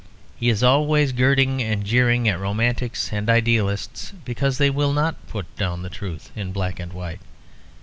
He is always girding and jeering at romantics and idealists because they will not put down the truth in black and white.